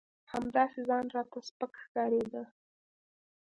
همداسې ځان راته سپک ښکارېده.